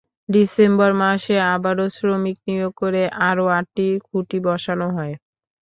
December মাসে আবারও শ্রমিক নিয়োগ করে আরও আটটি খুঁটি বসানো হয়।